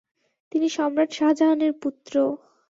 তিনি সম্রাট শাহজাহানের পুত্র।